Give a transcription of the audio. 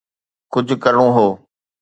ڪجهه ڪرڻو هو.